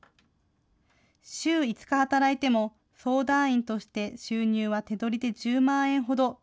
週５日働いても、相談員として収入は手取りで１０万円ほど。